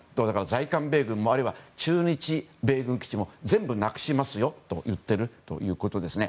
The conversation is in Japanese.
在韓米軍も駐日米軍基地も全部なくしますよと言っているということですね。